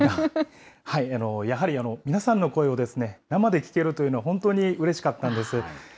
やはり、皆さんの声を生で聞けるというのは本当にうれしかったんです。